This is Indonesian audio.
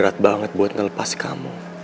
lia mau biar dipinjar